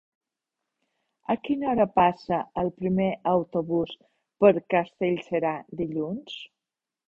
A quina hora passa el primer autobús per Castellserà dilluns?